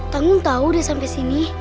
tanggung tahu udah sampai sini